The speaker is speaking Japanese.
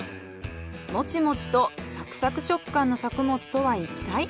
モチモチとサクサク食感の作物とはいったい？